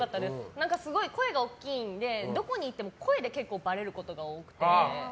すごい声が大きいのでどこにいても声でばれることが多くて。